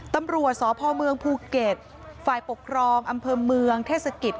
ตำรวจสพเมืองภูเก็ตฝ่ายปกครองอำเภอเมืองเทศกิจ